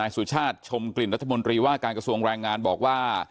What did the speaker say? สุชาติชมกลิ่นรัฐมนตรีว่าการกระทรวงแรงงานบอกว่า